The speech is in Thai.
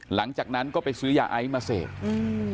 หลังจากนั้นก็ไปซื้อยาไอซ์มาเสพอืม